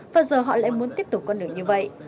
và giờ họ lại muốn tiếp tục con đường như vậy